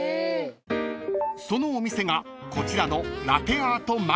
［そのお店がこちらの］